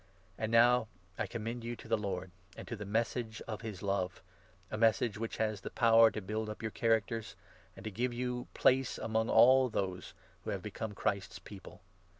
And now I 32 commend you to the Lord and to the Message of his Love — a Message which has the power to build up your characters, and to give you your place among all those who have become Christ's People.